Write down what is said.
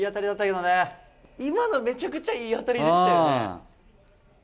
今の、めちゃくちゃいい当たりでしたよね。